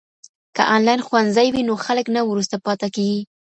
که انلاین ښوونځی وي نو خلګ نه وروسته پاته کیږي.